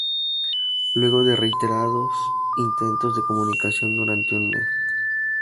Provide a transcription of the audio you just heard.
Luego de reiterados intentos de comunicación durante un mes.